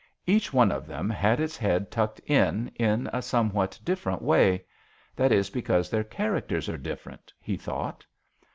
Each one of them had its head tucked in in a somewhat different way. That is because their characters are different," he thought.